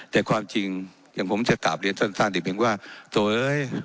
แต่ความจริงอย่างผมจะตามเรียนสั้นสั้นถึงเป็นว่าเธอเฮ้ย